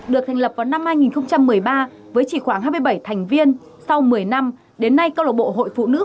được thành lập vào năm hai nghìn một mươi ba với chỉ khoảng hai mươi bảy thành viên sau một mươi năm đến nay câu lạc bộ hội phụ nữ